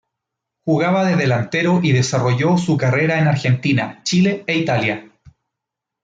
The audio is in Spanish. Jugaba de delantero y desarrolló su carrera en Argentina, Chile e Italia.